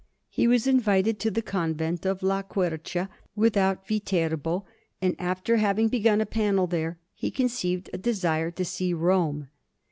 He was invited to the Convent of La Quercia, without Viterbo; but after having begun a panel there, he conceived a desire to see Rome.